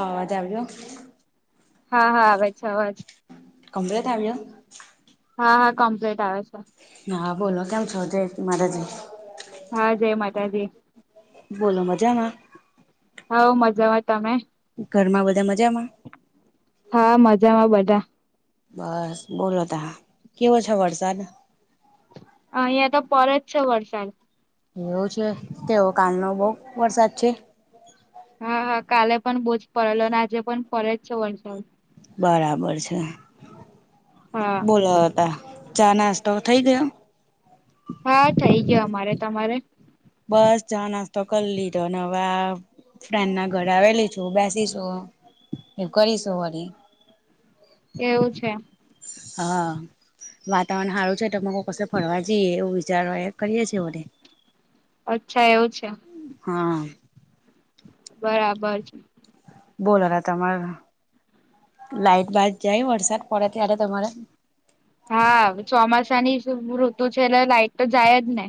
અવાજ આવ્યો? હા હા આવે છે અવાજ. કમ્પ્લેટ આવ્યો. હા હા કમ્પ્લેટ આવે છે. હા બોલો કેમ છો જય માતાજી. હા જય માતાજી. બોલો મજામાં? હોવ મજામાં તમે. ઘરમાં બધા મજામાં? હા મજામાં બધા. બસ બોલો તા કેવો છે વરસાદ અહીંયા તો પડે છે વરસાદ. એવું છે કેવું કાલનો બોવ વરસાદ છે? હા હા કાલે પણ બોવ જ પડેલો અને આજે પણ પડે જ છે વરસાદ. બરાબર છે. હા બોલો તા ચા નાસ્તો થઇ ગયો? હા થઇ ગયો અમારે. તમારે? બસ ચા નાસ્તો કરી લીધોને હવે આ ફ્રેન્ડના ઘરે આવેલી છું બેસીશું એ કરીશું વળી. એવું છે. હા વાતાવરણ હારું છે ત મા કો કશે ફરવા જઈએ એવું વિચારવા કરીએ છે વનેે અચ્છા એવું છે. હા. બરાબર છે. બોલો રા તમારે લાઈટ બાઈટ જાય વરસાદ પડે ત્યારે તમારે? હા ચોમાસાની ઋતુ છે એટલે લાઈટ તો જાય જ ને.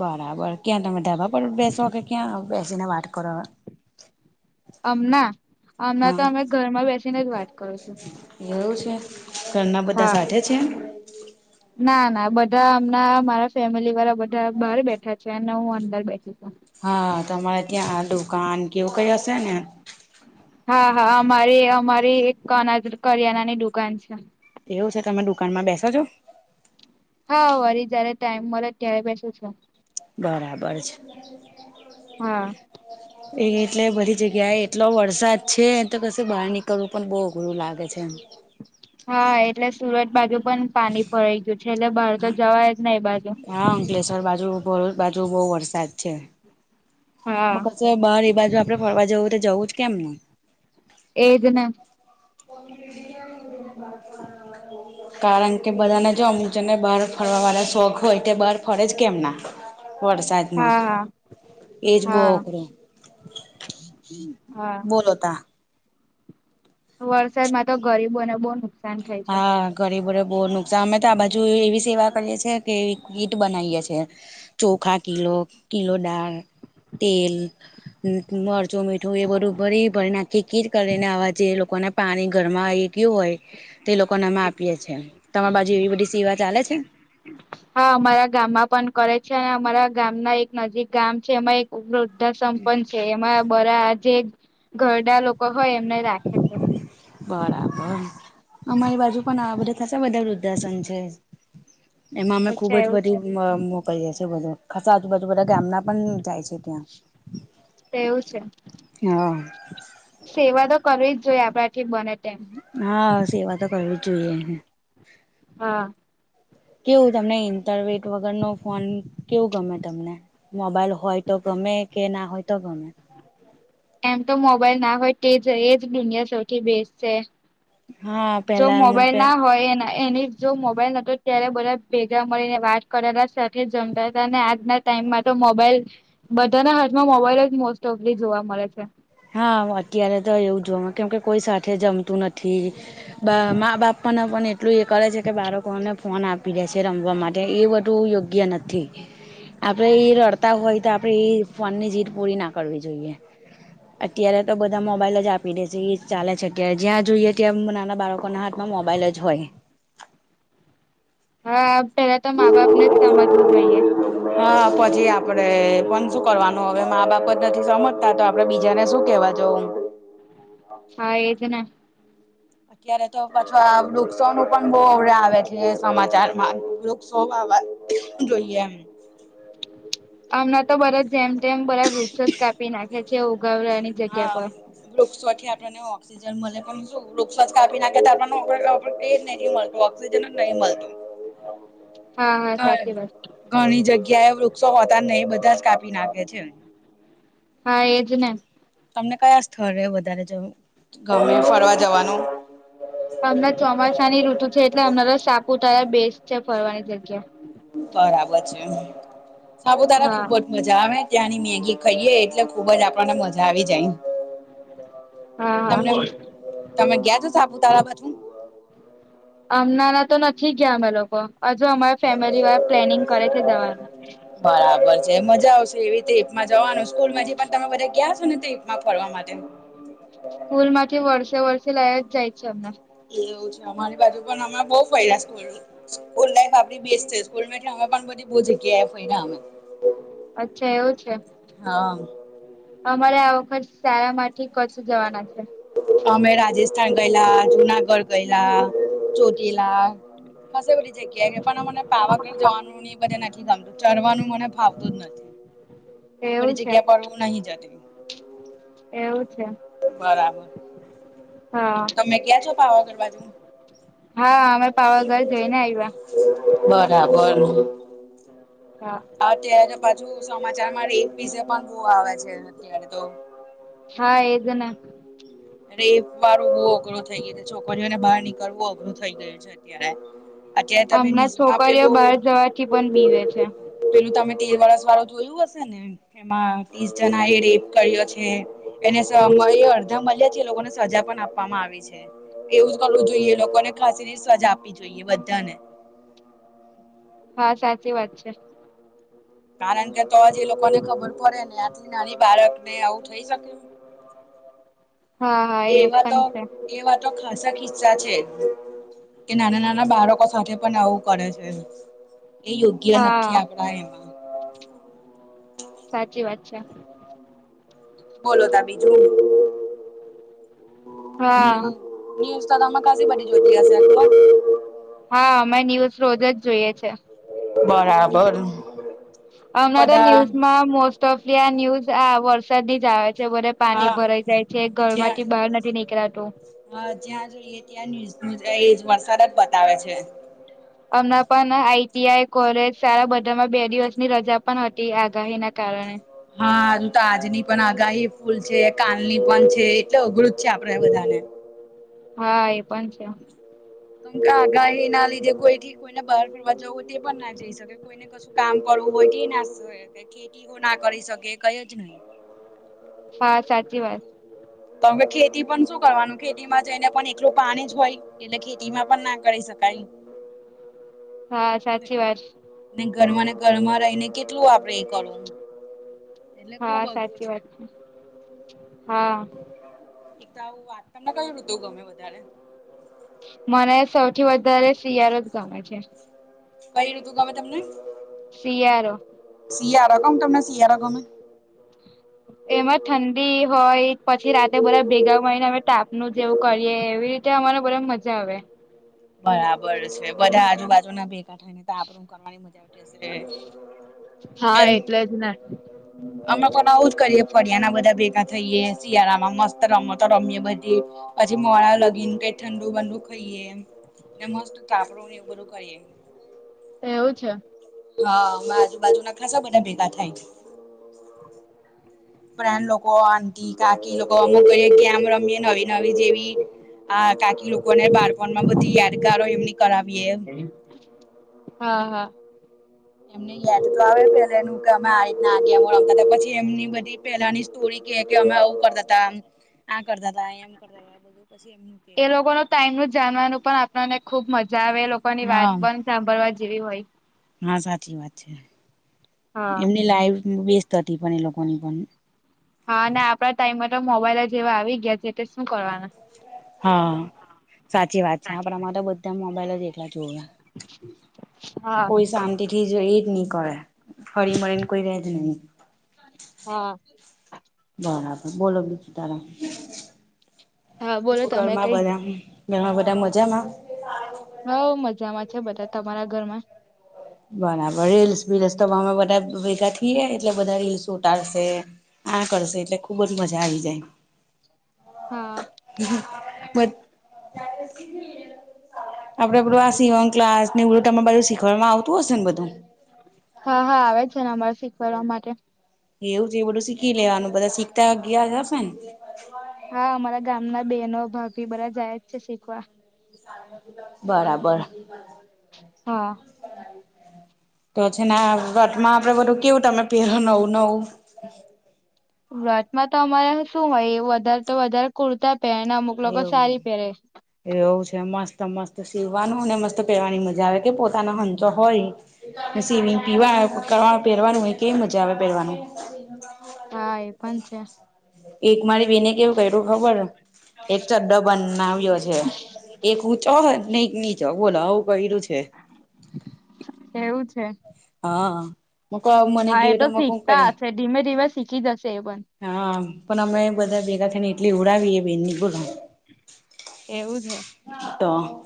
બરાબર ક્યાં તમે ધાબા પર બેસો કે ક્યાં બેસીને વાત કરો? અમના અમના હા તો અમે ઘરમાં બેસીને જ વાત કરું છું. એવું છે ઘરના બધા હા સાથે છે? ના ના બધા અમના મારા ફેમિલીવાળા બધા બહાર બેઠા છે અને હું અંદર બેઠી છુ. હા તમારે ત્યાં આ દુકાન કેવું કઈ હશે ને. હા હા અમારી અમારી એક અનાજ કરિયાણાની દુકાન છે. એવું છે, તમે દુકાનમાં બેસો છો. હા વરી, જયારે ટાઈમ મળે, ત્યારે બેસુ છું. બરાબર છે. હા. એ એટલે બધી જગ્યાએ એટલો વરસાદ છે તો, કશે બહાર નીકળવું પણ બો અઘરું લાગે છે, એમ. હા, એટલે સુરત બાજુ પણ પાણી ભરાઈ ગયું છે, એટલે બહાર તો જવાય જ નહી એ બાજુ. હા, અંકલેશ્વર બાજુ ભરૂચ બાજુ બહુ વરસાદ છે. બ હા કશે બાર એ બાજુ આપડે ફરવા જવું તે જવું જ કેમનું. [unintelligible] એજને. [unintelligible] કારણ કે બધાને જો અમુક જન ને બહાર ફરવા વાળા શોખ હોય તે, બહાર ફરેે જ કેમ ના વરસાદ માં. હા હા એજ બો હા અઘરું હા. બોલો તા. વરસાદ માં તો ગરીબો ને બો નુ હા. ગરીબોને બો નુકસાન મેં તો આ બાજુ એવી સેવા કરીએ છે, કે કીટ બનાઈએ છે. ચોખા કિલો, કિલો દાળ, તેલ ન મ મરચું મીઠું એ બધું ભરી ભરીને, આખી કીટ કરીને, આવા જે લોકોને. પાણી ઘરમાં આવી ગયું હોય તે, લોકોને અમે આપીએે છે, તમા બાજુ એવી બધી સેવા ચાલે છે. હા, અમારા ગામમાં પણ કરે છે, અમારા ગામના એક નજીક ગામ છે, એમા એક વૃદ્ધા સંપન્ન છે, એમાં બરા જે ઘરડા લોકો હોય, એમને રાખે છે. બરાબર. અમારી બાજુ પણ આ બધા થતા બધા વૃદ્ધાશ્રમ છે. એમાં અમે ખુબ અચ્છા જ એવું બધી મ મો કરીએ છે, બધું ખાસ આજુબાજુ બધા ગામના પણ જાય છે, ત્યાં. તેવું છે, હા સેવા તો કરવી જ જોઈએ, આપણાથી બને તેમ. હા, સેવા તો કરવી જ જોઈએ, હમ્મ. હા. કેવું તમને ઇન્ટરવેટ વગરનો ફોન કેવું ગમે તમને? મોબાઈલ હોય તો, ગમે કે ના હોય તો ગમે. એમ તો મોબાઈલ ના હોય, તે જ એ જ દુનિયા સૌથી બેસ્ટ છે. હા. જો પેલા મોબાઈલ ના હોય, એના એની જ જો મોબાઈલ નતો ત્યારે બધા ભેગા મળીને વાત કરેલા, સાથે જમતા હતા, અને આજના ટાઈમમાં તો મોબાઈલ બધાના હાથમાં મોબાઈલ જ મોસ્ટ ઓફલી જોવા મળે છે. હા, તો એવું જોમાં કેમકે કોઈ સાથે જમતું નથી. બા મા બાપાને પણ એટલું એ કરે છે કે, બાળકોને ફોન આપી દે છે, રમવા માટે એ બધું યોગ ગયા નથી, આપણે ઈ રડતા હોય તો, આપણે ઈ ફોનની જીદ પૂરી ના કરવી જોઈએ. અત્યારે તો બધા મોબાઈલ જ આપી દે છે, ઈ ચાલે છે કે, જ્યાં જોઈએ ત્યાં મ નાના બાળકોના હાથ માં મોબાઈલ જ હોય. હા, પેલા તો મા બાપ ને જ સમજવું જોઈએ. હા, પછી આપડે પણ શું કરવાનું હવે મા બાપ જ નથી, સમજતા તો આપણે બીજાને શું કેહેવા જવુ? હા, એજ ને. અત્યારે તો પછો વૃક્ષો નું પણ બો અવડે આવે છે, સમાચારમાં વૃક્ષો વાવા જોઈએ એમ. હમણાં તો બધા જેમ તેમ બરા વૃક્ષ જ કાપી નાખે છે, ઉગાવડાની જગ્યા હા પર વૃક્ષ [unintelligible] ઓક્સિજન મળે પણ શું વૃક્ષ જ કાપી નાખે તો, આપણને મળતું ઓક્સજન જ નહી મળતું. [unintelligible] હા, હા, સાચી વાત. ઘણી જગ્યા એ વૃક્ષો હોતા નહી બધા જ કાપી નાખે છે. હા, એજને. તમને કયા સ્થળે વધારે જવું ગમે ફરવા જવાનું? અમને ચોમાસાની ઋતુ છે, એટલે અમને તો સાપુતારા બેસ્ટ છે, ફરવાની જગ્યા. બરાબર છે, સાપુતારા હા ખુબ જ મજા આવે, ત્યાંની મેગી ખાઈએ એટલે ખુબજ આપણને મજા આવી જાય. હા તમને હા તમે ગયા છો, સાપુતારા બાજુ? ના તો નથી ગયા અમે લોકો હજુ, અમારા ફેમિલી વાળા પ્લેનિંગ કરે છે જવાનું. બરાબર છે, મજા આવશે, એવી રીતે એકમાં જવાનું, સ્કૂલ માંથી પણ તમે બધા ગયા હશો ને તે. મા ફરવામાં માટે. સ્કૂલમાંથી વર્ષે-વર્ષે લઈજ જાય છે, અમને. એવુ છે, અમારી બાજુ પણ અમાં બઉ ફર્યા છે. સ્કૂલ લાઇફ આપ, અમે બધી બહુ જગ્યા એ ફર્યા અમે. અચ્છા એવું છે, હા અમારે આ વખત શાળા મા થી કચ્છ જવાના છે. અમે રાજસ્થાન ગયેલા, જુનાગઢ ગયેલા ચોટીલા. ખાશી બધી બધી જગ્યા છે, પણ અમને પાવાગઢ જવાનું બધ નથી ગમ ચરવાનું, મને ફાવતું જ નથી, એ એવું બધી છે જગ્યા પર હું નહિ જત એવું છે. બરાબર હા ગયા છો, પાવાગઢ બાજુ. હા અમે પાવાગઢ જઈને આવ્યા બરાબર. હા. અત્યારે પાછુ સમાચારમાં રેપ વિશે પણ બહું આવે છે, અત્યારે તો. હા, એજને. રેપ વાળું બહુ અઘરુ થઇ ગયો છે, છોકરીઓને બહાર નીકળવો અઘરુ થઈ ગયો છે. છે, અત્યારે. અત્યારે તમે હમણાં ન્યુઝમાં છોકરીઓ પેલું બહાર જવાથી પણ બીવે છે. પેલું તમે તેર વરસ વાળું જોયું હશે ને, એમાં ત્રીસ જણા એ રેપ કર્યો છે. એને સમય અડધા મળ્યાથી એ લોકોને સજા પણ આપવામાં આવી છે. એવું જ કરવું જોઈએ, લોકોને ફાસીની સજા આપવી જોઈએ બધાને. હા, સાચી વાત છે. કારણ કે, તો જે લોકોને ખબર પડે ને આટલી નાની બાળક ને, આવું થઈ શક હા હા એવું એવા તો પણ છે એવા તો ખાસા કીસ્સા છે. કે નાના-નાના બાળકો સાથે પણ આવું કરે છે, એ યોગ્ય નથી હા આપડા એમાં. સાચી વાત છે. બોલો તાર બીજું. હા ન્યૂઝ તો તમે ખાસી બધી જોતી હશે. હા, અમે ન્યૂઝ રોજ જ જોઈએ છે. બરાબર. હમણા તો બધા ન્યૂઝમાં મોસ્ટ ઓફ ધ આ ન્યૂઝ આ વરસાદ જ આવે છે બધે. પાની હા ભરાઈ જાય છે. જ્યાં ઘરમાંથી બહાર નથી નીકળાતું. હા જ્યાં જોઈએ ત્યાં ન્યુઝનું એ જ વરસાદ જ બતાવે છે. હમણાં પણ આઈટીઆઈ કોલેજ સારા બધામાં બે દિવસની રજા પણ હતી આગાહીના કારણે. હારુ તો આજની પણ આગાહી ફૂલ છે, કાલની પણ છે એટલે અઘરૂ જ છે આપડે બધાને. હા એ પણ છે. કેમ કે આગાહીના લીધે કોઈ થી કોઈને બહાર ફરવા જવું તે પણ ના જઈ શકે. કોઈને કશું કામ કરવું હોય તે ના ખેતી ના કરી શકે કઈ જ નઈ. હા સાચી વાત. તો હવે ખેતી પણ શું કરવાનું ખેતીમાં જઈને પણ એટલું પાણી જ હોય. એટલે ખેતીમાં પણ ના કરી શકાય. હા સાચી વાત. ને ઘરમાં ને ઘરમાં રહી ને કેટલું આપડે એ કરવું. એટલે હા ખુબ અઘરું સાચી વાત છે. હા ત આવું વાત તમને કયું ઋતુ ગમે વધારે? મને સૌથી વધારે શિયાળો જ ગમે છે. કઈ ઋતુ ગમે તમને? સીયારો. શિયાળો કમ તમને શિયાળો ગમે? એમાં ઠંડી હોય, પછી રાતે બધા ભેગા મળીને અમે તાપનું જેવું કરીએ, એવી રીતે અમારે બધાને મજા આવે. બરાબર છે. બધા આજુબાજુના ભેગા થાય ને તાપણું કરવાની મજા આવતી હશે. હા કેમ એટલે જ ને. [inaudible] અમે પણ આવું જ કરીએ. ફળિયાના બધા ભેગા થઈએે, શિયાળામાં મસ્ત રમતો રમીએ બધી. પછી મોડા લગીને કઈ ઠંડુ બન્ડુ ખઈએે એમ. ને મસ્ત તાપડું ને એવું બધું કરીએ. એવું છે. હા અમારે આજુબાજુના ખાસા બધા ભેગા થાય. ફ્રેન્ડ લોકો, આટી, કાકી લોકો અમુક કહીયે ગેમ રમીએ નવી નવી જેવી. આ કાકી લોકોને બાળપણમાં બધી યાદગારો એમની કરાવીએ. હા હા. એમને યાદ તો આવે પેલા એનું કે અમે આ રીતના આ ગેમો રમતા તા. પછી એમની બધી પેલાની સ્ટોરી કે કે અમે આવું કરતા તા આમ આ કરતા તા એમ. કરતા હતા બધું પછી એમનું કે એ લોકોના ટાઈમનું જાણવાનું પણ આપણને ખુબ મજા આવે. એ લોકોની વાત હા પણ. સાંભળવા જેવી હોય. હા સાચી વાત છે. હા એમની લાઈફ બેસ્ત હતી પણ એ લોકોની પણ. હા અને આપડા ટાઈમમાં તો મોબાઈલ જેવા આવી ગયા છે તે શું કરવાના. હા સાચી વાત છે. આપણામાં તો બધા મોબાઈલ જ એટલા જોવે. હા કોઈ શાંત એથી જઈ જ નઈ કરે. હરીમરીને કોઈ રેજ નઈ. હા. બરાબર. બોલો બીજું તમે. હા કેવુ બોલો તમે ઘરમાં કઈ બધા? ઘરમાં બધા મજામાં? હોવ મજામાં છે બધા. તમારા ઘરમાં? બરાબર. રીલ્સ બીલ્સ તો અમે બધા ભેગા થઈએ, એટલે બધા રીલ્સ ઉતારશે. આ કરશે, એટલે ખુબજ મજા આવી જાય. હા. [unintelligible] આપડે બધું આ સિવણ ક્લાસ ને, એવું બધું તમારે બાજુ શીખવાડવામાં આવતું હશે ને બધું. હા, હા, આવે જ છે ને, અમારે શીખવાડવા માટે. એવું જે બધું શીખી લેવાનું, બધા શીખતા ગયા હશે ને. હા, અમારા ગામના બહેનો, ભાભી બધા જાય જ છે શીખવા. બરાબર. હા. તોછ ને, વટમાં આપડે બધું કેવું તમે પહેર નવું-નવું સુરાતમાં તો અમારે શું હોય? એ વધારે તો વધારે કુર્તા પહેન અમુક લોકો એવું સારી પહેરે. એવું છે, મસ્ત-મસ્ત સીવવાનું મસ્ત પહેવાની મજા આવે કે, પોતાના હંચો હોય. વી પીવા કરવા પહેરવાનું, હો કેવી મજા આવે પહેરવાનું. [unintelligible] હા, એ પણ છે. એક મારી બેને કેવું કર્યું ખબર? એક ચડ બનાવ્યો છે. એક હું ચો ન ની ચ બોલો આવું કર્યું છે. [unintelligible] એવું છે? હા. [unintelligible] હા, એ તો મ ક શીખતા કરી હશે, ધીમે-ધીમે શીખી જશે એ પણ હા, પણ અમે બધા ભેગા થઈને એટલી ઉડાવીએ બેન, નીકોલ એવું છે? તો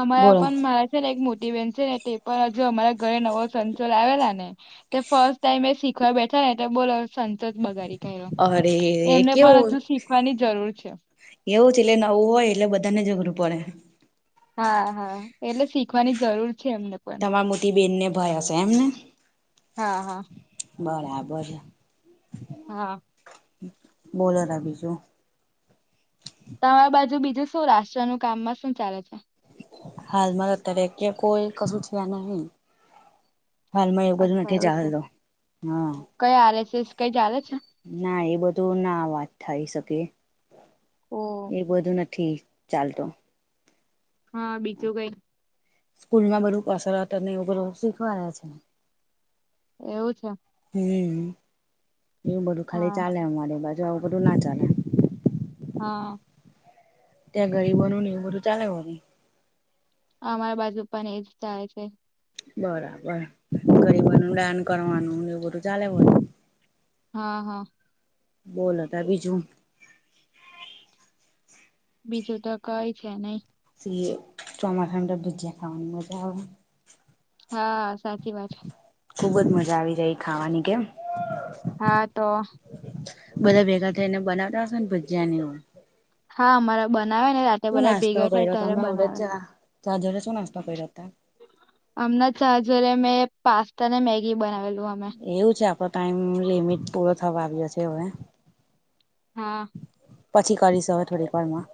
અમારા બોલો પણ મારા એક મોટીવેેશ છેન ને, તે પણ હજુ અમારા ઘરે નવો સચોલ આવેલા ને. તે ફર્સ્ટ ટાાઈમ એ, શીખવા બેઠા ને, એ બોલો સંસસ બગારી અરે એમને પણ કેવું હજુ શીખવાની જરૂર છે. એવું છે, એટલે નવું હોય, એટલે બધાને જઝઘરું પડે. હા, એટલે જરૂર છે એમને. પણ. તમારા મોટી બેનને ભય હશે, એમને. હા હા. બરાબર છે. હા. બોલોરા બીજું તમારી બાજુ બીજું શું? રાષ્ટ્રનું કામમાં શું ચાલે છે? હાલમાં અત્યારે કોઈ કશું થયા નહી. હાલમાં એવ બધું અચ્છા નથી એવું છે. ચાલતો, હા. કઈ આરએસસ કઈ ચાલે છે. ના, એ બધું ના વાત થાય શકે, ઓહ. એ બધું નથી. ચાલતો. હા, બીજું કઈ? સ્કૂલ માં બધું કસરત નર શીખવા છે ને. [unintelligible] એવું ખાલી હા ચાલે, અમારી બાજુ આવું બધું ના ચાલે. હા. ત્યાં ગરીબો ન નહી, બધું ચાલે હો. અમારા બાજુ પણ એજ થાય છે. બરાબર ગરીબનું દાન કરવાનું, એવું બધું ચાલે બોલ. હા, હા. બોલ હતા બીજું? બીજું તો કઈ છે નઈ. સી ચોમાખા તો ભુજયા ખાવાનું મજા આવે. હા, સાચી વાત. ખુબ જ મજા આવી જાય, ખાવાની કેમ હા તો બધા ભેગા. બનાવતાશેને બિરયાનીઓ. હા, અમારા બનાવે ને રા શું નાસ્તો કયરો તમે? ચા જોડે શું નાસ્તો કયરો અતારે. હમણા ચા જોડે મેં પાસ્તા ને, મેગી બનાવેલ. એવું છે, આપડો ટાઈમ લિમિટ પૂરો થવા આવ્યો છે હવે. હા. પછી કરીશ હવે થોડી વાર માં.